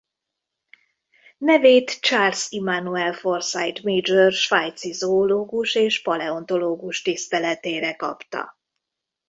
Nevét Charles Immanuel Forsyth Major svájci zoológus és paleontológus tiszteletére kapta.